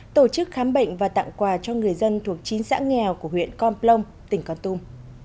tổ chức khám bệnh và tặng quà cho người dân thuộc chín xã nghèo của huyện con plong tỉnh con tum